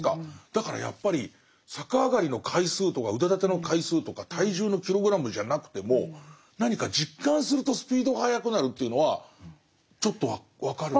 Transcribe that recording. だからやっぱり逆上がりの回数とか腕立ての回数とか体重のキログラムじゃなくても何か実感するとスピードが速くなるというのはちょっと分かる。